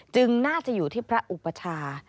น่าจะอยู่ที่พระอุปชา